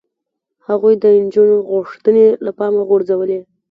هغوی د نجونو غوښتنې له پامه غورځولې.